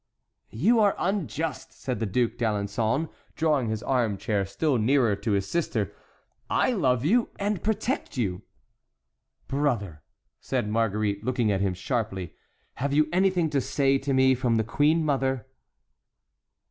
"You are unjust," said the Duc d'Alençon, drawing his armchair still nearer to his sister, "I love you and protect you!" "Brother," said Marguerite, looking at him sharply, "have you anything to say to me from the queen mother?"